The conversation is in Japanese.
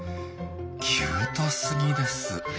キュートすぎです！